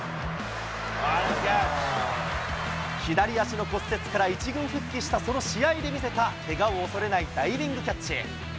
左足の骨折から１軍復帰したその試合で見せたけがを恐れないダイビングキャッチ。